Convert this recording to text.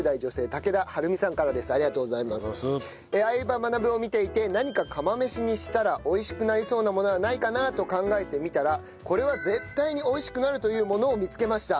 『相葉マナブ』を見ていて何か釜飯にしたら美味しくなりそうなものはないかなと考えてみたらこれは絶対に美味しくなるというものを見つけました。